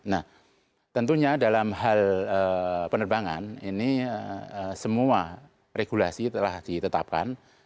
nah tentunya dalam hal penerbangan ini semua regulasi telah ditetapkan